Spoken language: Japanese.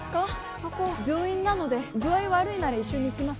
そこ病院なので具合悪いなら一緒に行きます